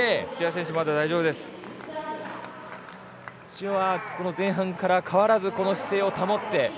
土屋は前半から変わらずこの姿勢を保って。